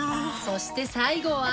そして最後は。